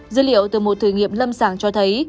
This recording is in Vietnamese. dữ liệu từ một thử nghiệm lâm sàng cho thấy